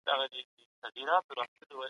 د کاغذ او رنګ کیفیت څنګه معلومیږي؟